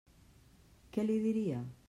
Què li diria?